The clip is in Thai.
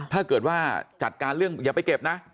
ถ้าเกิดว่าจัดการเรื่องอย่าไปเก็บนะ